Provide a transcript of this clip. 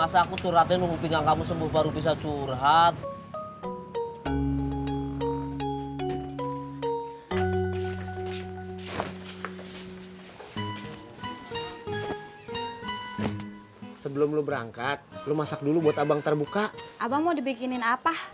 sebelum lo berangkat lu masak dulu buat abang terbuka abang mau dibikinin apa